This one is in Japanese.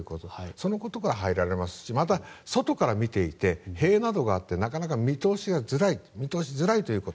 そのことから入られますしまた、外から見ていて塀などがあって、なかなか見通しづらいということ。